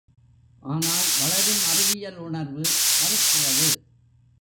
ஆனால் வளரும் அறிவியல் உணர்வு மறுக்கிறது.